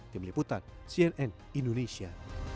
tim liputan cnn indonesia